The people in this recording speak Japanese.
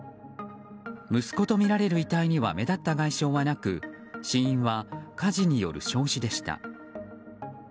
息子とみられる遺体には目立った外傷はなく死因は火事による焼死でした。